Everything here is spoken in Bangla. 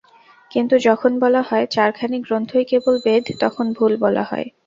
কিন্তু যখন বলা হয়, চারখানি গ্রন্থই কেবল বেদ, তখন ভুল বলা হয়।